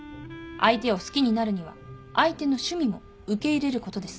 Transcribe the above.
相手を好きになるには相手の趣味も受け入れることです。